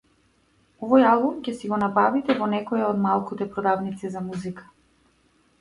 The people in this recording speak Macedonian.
Овој албум ќе си го набавите во некоја од малкуте продавници за музика.